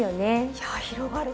いや広がる！